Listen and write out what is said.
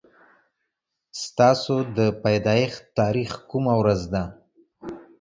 ستاسو د پيدايښت تاريخ کومه ورځ ده